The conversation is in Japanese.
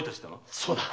そうだ。